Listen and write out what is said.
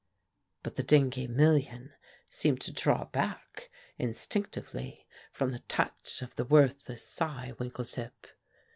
But the Dingee million seemed to draw back instinctively from the touch of the worthless Cy Winkletip.